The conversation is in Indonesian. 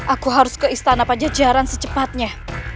aku harus ke istana pecah jalan secepatnya